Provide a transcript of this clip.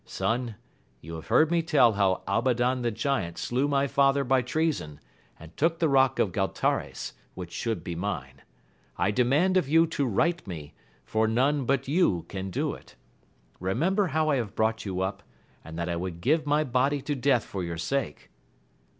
Son, you have heard me tell how Albadan the Giant slew my fiather by treason, and took the rock of Galtares, which should be mine. I demand of you to right me, for none but you can do it : remember how I have brought you up, and that I would give my body to death for your sake.